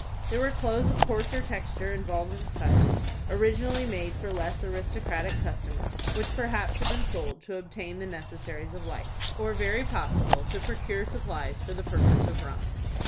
There were clothes of coarser texture and vulgar cut, originally made for less aristocratic customers, which perhaps had been sold to obtain the necessaries of life, or very possibly to procure supplies for the purchase of rum.